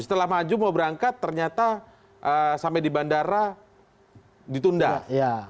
setelah maju mau berangkat ternyata sampai di bandara ditunda